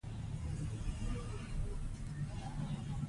په کور کې د ناروغیو مخه نیول کیږي.